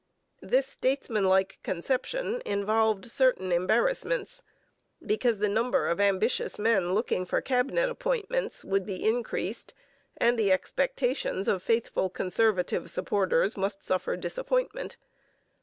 This statesmanlike conception involved certain embarrassments, because the number of ambitious men looking for Cabinet appointments would be increased and the expectations of faithful Conservative supporters must suffer disappointment.